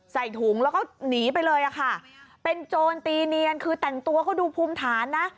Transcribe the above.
ใส่ถุงแล้วก็หนีไปเลยอะค่ะเป็นโจรตีเนียนคือแต่งตัวเขาดูภูมิฐานนะ